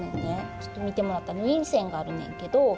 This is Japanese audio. ちょっと見てもらったら縫い線があるねんけど。